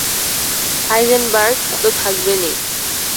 Heisenberg তো থাকবেনই।